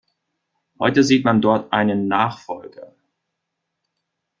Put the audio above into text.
Heute sieht man dort einen „Nachfolger“.